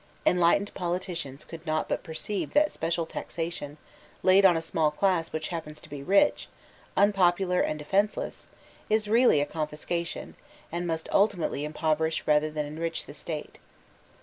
Enlightened politicians could not but perceive that special taxation, laid on a small class which happens to be rich, unpopular and defenceless, is really confiscation, and must ultimately improverish rather than enrich the State.